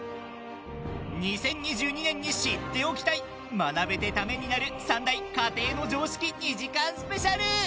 ２０２２年に知っておきたい学べてためになる３大家庭の常識２時間スペシャル！